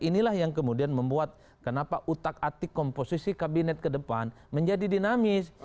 inilah yang kemudian membuat kenapa utak atik komposisi kabinet ke depan menjadi dinamis